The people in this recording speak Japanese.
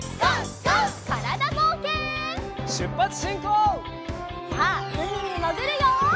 さあうみにもぐるよ！